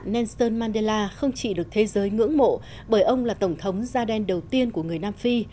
ngày một mươi tám tháng bảy năm một nghìn chín trăm một mươi tám ngày một mươi tám tháng bảy năm hai nghìn một mươi tám